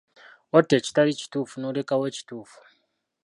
Otta ekitali kituufu n'olekawo ekituufu.